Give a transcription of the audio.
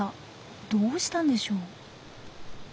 どうしたんでしょう？